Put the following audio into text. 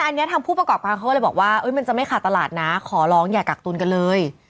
อันนี้ทางผู้ประกอบการเขาก็เลยบอกว่ามันจะไม่ขาดตลาดนะขอร้องอย่ากักตุลกันเลย